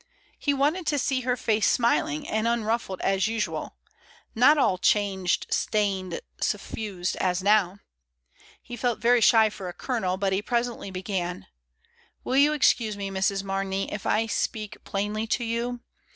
... He wanted to see her face smiling and unruffled as usual, not all changed, stained, suffused as now. He felt very shy for a Colonel, but he presently began — "Will you excuse me, Mrs. Mamey, if I speak plainly to you.